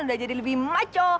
udah jadi lebih maco